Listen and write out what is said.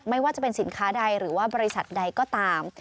ไม่ว่าจะเป็นสินค้าใดหรือว่าบริษัทใดก็ตาม